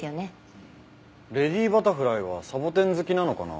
レディバタフライはサボテン好きなのかな？